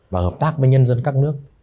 và hợp tác với nhân dân các nước